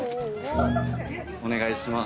お願いします。